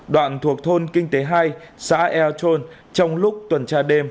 đoạn thuộc thôn kinh tế hai xã ea trôn trong lúc tuần tra đêm